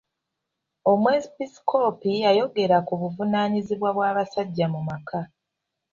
Omwepisikoopi yayogera ku buvunaanyizibwa bw'abasajja mu maka.